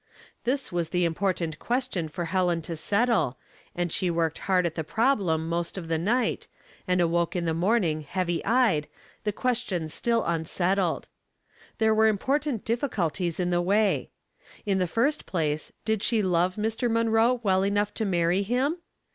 This was the important question for Helen to settle, and she worked bard at the problem most of the night, and awoke in the morning heavy eyed, the question 142 Household Puzzles, still unsettled. There were impctrtant difficul ties in the way. In the first place, did she love Mr. Munroe well enough to marry him